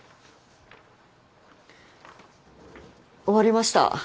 終わりました